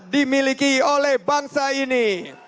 dimiliki oleh bangsa ini